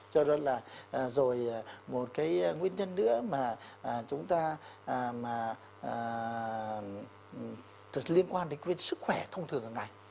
cho nên là rồi một cái nguyên nhân nữa mà chúng ta mà liên quan đến sức khỏe thông thường hàng ngày